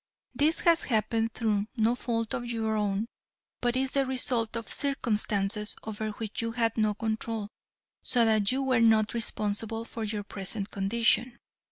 This has happened through no fault of your own but is the result of circumstances over which you had no control so that you are not responsible for your present condition.